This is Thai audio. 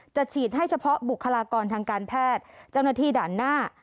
จะฉีดให้เฉพาะบุคลากรทางการแพทย์เจ้าหน้าที่ด่านหน้า